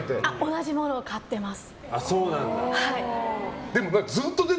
同じものを買ってます。